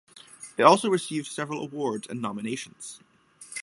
It also received several awards and nominations.